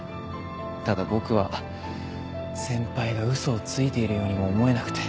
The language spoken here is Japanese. ただ僕は先輩が嘘をついているようにも思えなくて。